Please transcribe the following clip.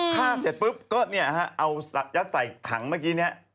เสร็จปุ๊บก็เนี่ยฮะเอายัดใส่ถังเมื่อกี้นี้